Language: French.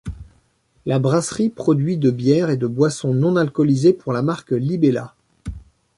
La brasserie produit de bière et de boisson non alcoolisée pour la marque Libella.